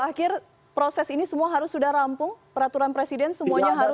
dua ribu dua puluh dua akhir proses ini semua harus sudah rampung peraturan presiden semuanya harus